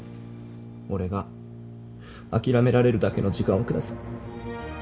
俺が諦められるだけの時間を下さい。